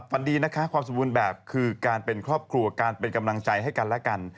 ฟันดีนะคะความสมบูรณ์แบบคือการเป็นครอบครัวการเป็นกำลังใจให้กันและกัน